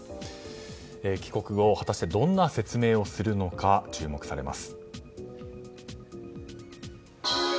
帰国後、果たしてどんな説明をするのか注目です。